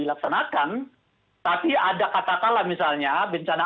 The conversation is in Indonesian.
ayo kita bicara komposisi suaranya di sana